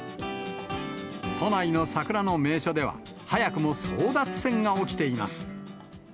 都内の桜の名所では、早くも争奪戦が起きています。